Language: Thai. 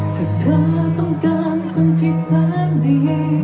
ถ้าเธอต้องการคนที่แสนดี